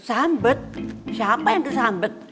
sambet siapa yang tuh sambet